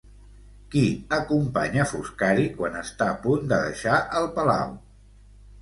Qui acompanya Foscari quan està a punt de deixar el palau?